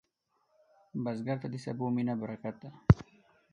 بزګر ته د سبو مینه برکت ده